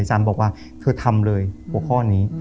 อาจารย์บอกว่าเธอทำเลยหัวข้อนี้